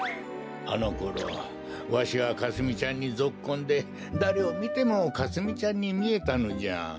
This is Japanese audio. あのころわしはかすみちゃんにぞっこんでだれをみてもかすみちゃんにみえたのじゃ。